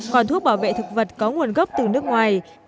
còn thuốc bảo vệ thực vật có nguồn gốc từ nước ngoài